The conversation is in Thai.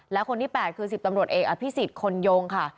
และคนที่๘คือ๑๐ตำรวจเอกอภิษฎคนยงค่ะ